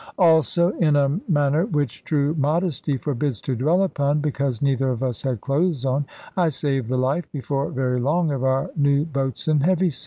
Also, in a manner which true modesty forbids to dwell upon because neither of us had clothes on I saved the life, before very long, of our new boatswain Heaviside.